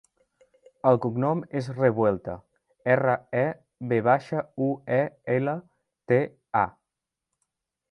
El cognom és Revuelta: erra, e, ve baixa, u, e, ela, te, a.